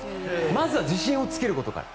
まずは自信をつけることから。